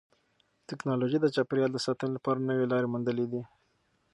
تکنالوژي د چاپیریال د ساتنې لپاره نوې لارې موندلې دي.